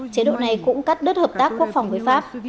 chế độ này cũng cắt đứt hợp tác quốc phòng với pháp